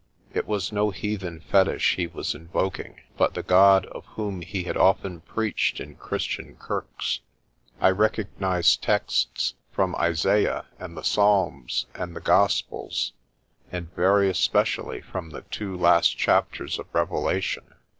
It was no heathen fetich he was invoking, but the God of whom he had often preached in Christian kirks. I recognised texts from Isaiah and the Psalms and the Gospels, and very especially from the two last chapters of Revelation.